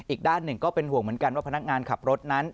อีกด้านหนึ่งก็เป็นห่วงเหมือนกันว่าพนักงานขับรถนั้น